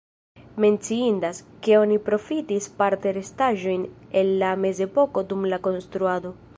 Menciindas, ke oni profitis parte restaĵojn el la mezepoko dum la konstruado.